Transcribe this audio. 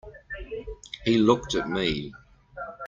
He looked at me.